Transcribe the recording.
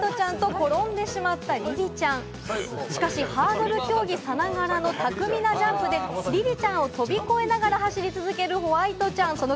ちゃんと転んでしまったリリちゃん、しかしハードル競技さながらの巧みなジャンプでリリちゃんを飛び越えながら走り続ける、ほわいとちゃん。